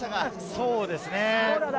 そうですね。